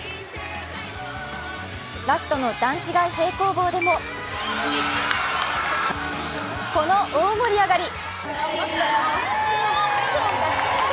ラストの段違い平行棒でもこの大盛り上がり。